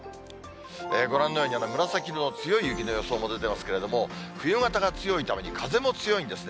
ご覧のように、まだ紫色の強い雪の予想も出てますけれども、冬型が強いために、風も強いんですね。